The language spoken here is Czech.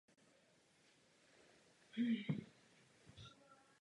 V Londýně vydával měsíčník "Kruh" zaměřený na politické a kulturní otázky.